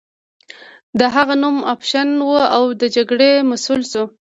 د هغه نوم افشین و او د جګړې مسؤل شو.